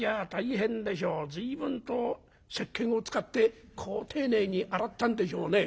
随分とせっけんを使ってこう丁寧に洗ったんでしょうね」。